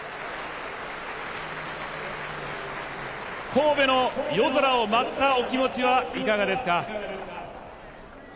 神戸の夜空を舞ったお気持ちはいかがですか？